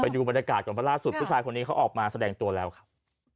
ดูบรรยากาศก่อนเพราะล่าสุดผู้ชายคนนี้เขาออกมาแสดงตัวแล้วครับ